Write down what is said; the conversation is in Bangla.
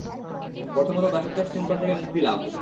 প্রথমত দাসত্বের শৃঙ্খল থেকে মুক্তিলাভ।